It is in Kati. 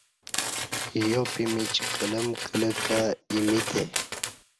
یوپمیچ کلم کلہ کہ ایمّی تے